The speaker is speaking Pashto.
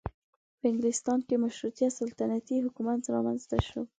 په انګلستان کې مشروطه سلطنتي حکومت رامنځته شو.